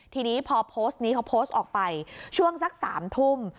ทีนี้พอโพสต์นี้เขาโพสต์ออกไปช่วงสัก๓ทุ่ม